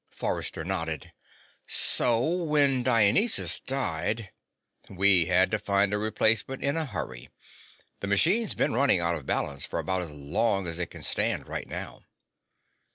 Forrester nodded. "So when Dionysus died " "We had to find a replacement in a hurry. The machine's been running out of balance for about as long as it can stand right now."